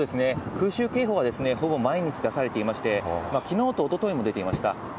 空襲警報はほぼ毎日出されていまして、きのうとおとといも出ていました。